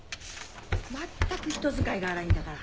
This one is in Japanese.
まったく人使いが荒いんだから。